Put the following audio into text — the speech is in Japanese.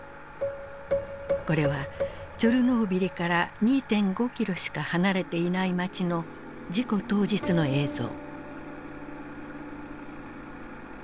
これはチョルノービリから２．５キロしか離れていない街の事故当日の映像。